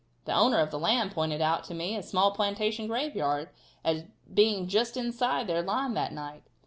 The owner of the land pointed out to me a small plantation graveyard as being just inside their line that night.